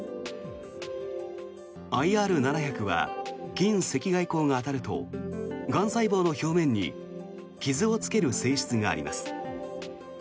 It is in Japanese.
ＩＲ７００は近赤外光が当たるとがん細胞の表面に傷をつける性質があります。